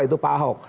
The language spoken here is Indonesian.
itu pak ahok